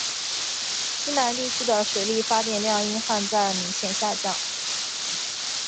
西南地区的水力发电量因旱灾而明显下降。